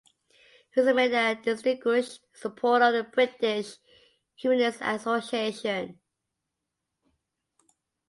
He was made a Distinguished Supporter of the British Humanist Association.